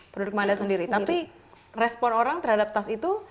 produk mandat sendiri tapi respon orang terhadap tas itu